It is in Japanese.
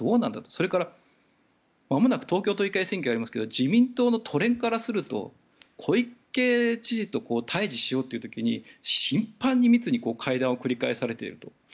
それから、まもなく東京都議会選挙がありますけれど自民党の都連からすると小池知事と対峙しようという時に頻繁に、密に会談を繰り返されていると。